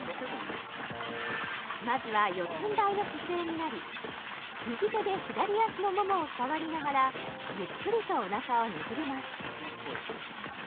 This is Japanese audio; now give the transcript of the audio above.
まずは四つんばいの姿勢になり右手で左足のモモを触りながらゆっくりとおなかをねじります